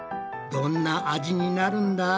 どんな味になるんだ？